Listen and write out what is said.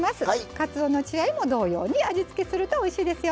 かつおの血合いも同様に味付けするとおいしいですよ。